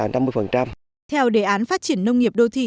đoán phát triển nông nghiệp đô thị